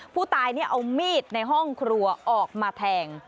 ผู้ตายเอามีดในห้องครัวออกมาแทง